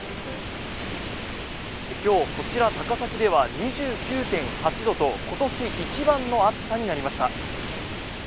今日、こちら高崎では２９．８度と今年一番の暑さとなりました。